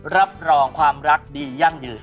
รับรองความรักดียั่งยืน